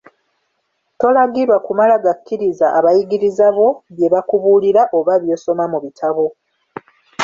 Tolagirwa kumala gakkiriza abayigiriza bo bye bakubuulira oba by'osoma mu bitabo.